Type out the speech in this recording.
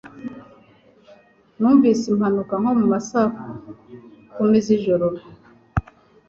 Numvise impanuka nko mu ma saa kumi z'ijoro